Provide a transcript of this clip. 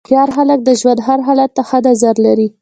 هوښیار خلک د ژوند هر حالت ته ښه نظر لري.